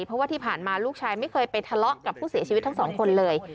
เพราะว่าที่ผ่านมาลูกชายไม่เคยไปทะเลาะกับผู้เสียชีวิตทั้งสองคนเลย